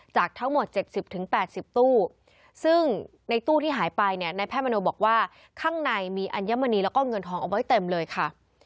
จากทั้งหมด๗๐๘๐ตู้ซึ่งในตู้ที่หายไปเนี่ยนายแพทย์มโนบอกว่าข้างในมีอัญมณีแล้วก็เงินทองเอาไว้เต็มเลยค่ะ